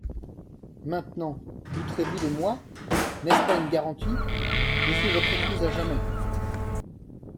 Maintenant douterez-vous de moi ? N'est-ce pas une garantie ? Je suis votre épouse à jamais.